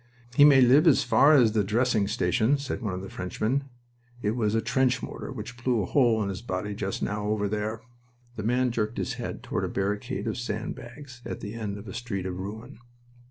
"He may live as far as the dressing station," said one of the Frenchmen. "It was a trench mortar which blew a hole in his body just now, over there." The man jerked his head toward a barricade of sand bags at the end of a street of ruin.